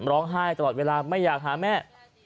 ร้องไห้ตลอดเวลาไม่อยากหาแม่